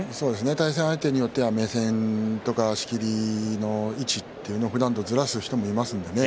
対戦相手によっては目線とか仕切りの位置をふだんとずらす人もいますからね。